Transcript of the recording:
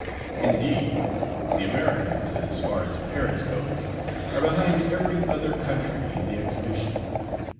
Indeed, the Americans, as far as appearance goes, are behind every other country in the Exhibition.